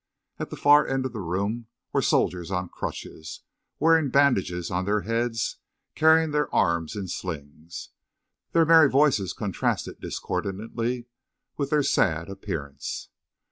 At the far end of the room were soldiers on crutches, wearing bandages on their beads, carrying their arms in slings. Their merry voices contrasted discordantly with their sad appearance.